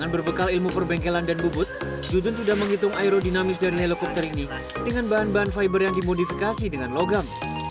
berubahan ubahan fiber yang dimodifikasi dengan logam